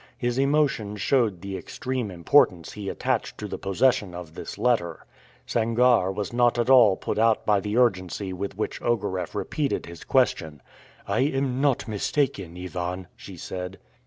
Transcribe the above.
His emotion showed the extreme importance he attached to the possession of this letter. Sangarre was not at all put out by the urgency with which Ogareff repeated his question. "I am not mistaken, Ivan," she said.